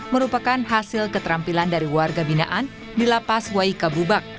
merupakan hasil keterampilan dari warga binaan di lapas waika bubak